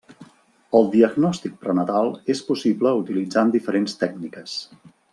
El diagnòstic prenatal és possible utilitzant diferents tècniques.